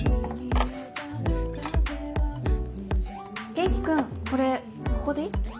元気君これここでいい？